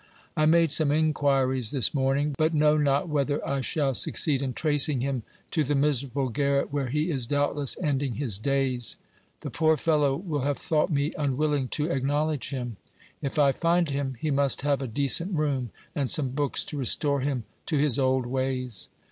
I made some inquiries this morning, but know not whether I shall succeed in tracing him to the miserable garret where he is doubtless ending his days. The poor fellow will have thought me unwilling to ac knowledge him. If I find him, he must have a decent room, and some books to restore him to his old ways.